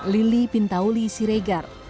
lili pintauli siregar